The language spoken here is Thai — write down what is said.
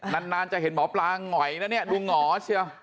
นานจะเห็นหมอปลาหงอยนะเนี่ยดูหงอเชียว